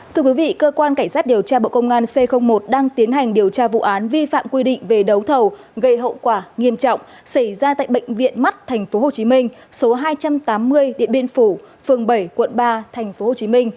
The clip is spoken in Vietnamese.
thưa quý vị cơ quan cảnh sát điều tra bộ công an c một đang tiến hành điều tra vụ án vi phạm quy định về đấu thầu gây hậu quả nghiêm trọng xảy ra tại bệnh viện mắt tp hcm số hai trăm tám mươi địa biên phủ phường bảy quận ba tp hcm